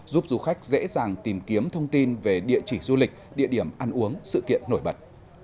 giúp du khách dễ dàng tìm kiếm thông tin về địa chỉ du lịch địa điểm ăn uống sự kiện nổi bật